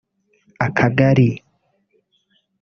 akagari